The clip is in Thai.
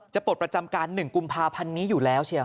ปลดประจำการ๑กุมภาพันธ์นี้อยู่แล้วเชียว